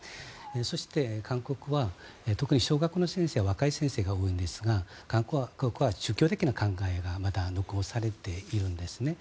そして、韓国は特に小学校の先生は若い先生が多いんですが韓国は儒教的な考えがまだ残されているんですね。